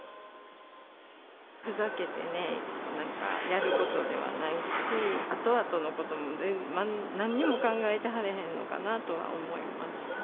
ふざけて、なんか、やることではないし、あとあとのこともなんにも考えてはらへんのかなとは思いました。